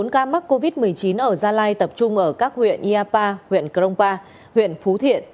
một mươi bốn ca mắc covid một mươi chín ở gia lai tập trung ở các huyện iapa huyện krongpa huyện phú thiện